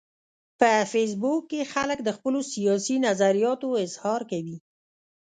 په فېسبوک کې خلک د خپلو سیاسي نظریاتو اظهار کوي